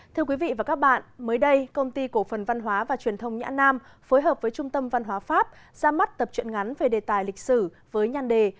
thưa quý vị và các bạn mới đây công ty cổ phần văn hóa và truyền thông nhã nam phối hợp với trung tâm văn hóa pháp ra mắt tập truyện ngắn về đề tài lịch sử với nhan đề